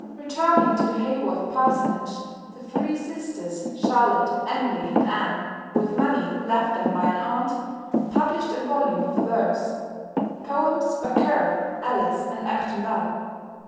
Returning to the Haworth parsonage, the three sisters, Charlotte, Emily, and Anne, with money left them by an aunt, published a volume of verse "Poems by Currer, Ellis, and Acton Bell."